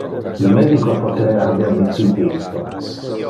Le medico poterea haber dicite isto.